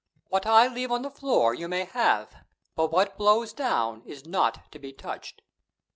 What I leave on the floor you may have, but what blows down is not to be touched."